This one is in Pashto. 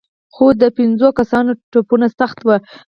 خو د پېنځو کسانو ټپونه سخت وو.